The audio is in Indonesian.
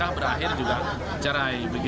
dan yang berakhir juga cerai